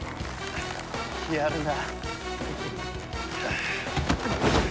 やるな。